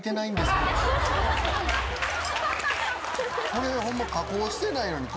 これホンマ加工してないのに。